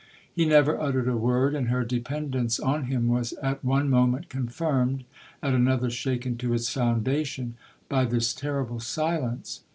He never uttered a word, and her dependence on him was at one moment confirmed, at another shaken to its foundation, by this terrible silence.